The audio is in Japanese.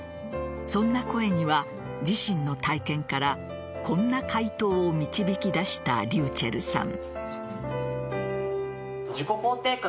そんな声には、自身の体験からこんな回答を導き出したｒｙｕｃｈｅｌｌさん。